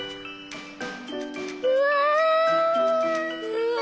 うわ！